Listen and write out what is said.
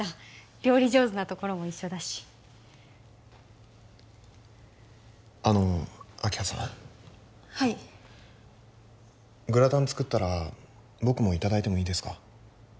料理上手なところも一緒だしあの明葉さんはいグラタン作ったら僕もいただいてもいいですか？